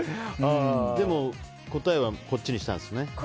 でも、答えは前にしたんですね。